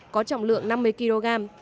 có trọng lượng năm mươi kg